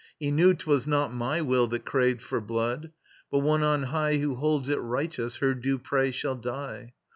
He knew 'twas not My will that craved for blood, but One on high Who holds it righteous her due prey shall die.